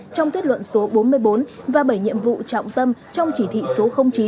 trong kết luận số bốn mươi bốn và bảy nhiệm vụ trọng tâm trong chỉ thị số chín